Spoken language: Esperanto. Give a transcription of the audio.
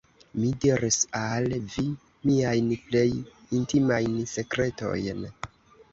Mi diris al vi miajn plej intimajn sekretojn.